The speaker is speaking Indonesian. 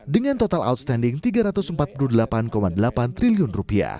dengan total outstanding rp tiga ratus empat puluh delapan delapan triliun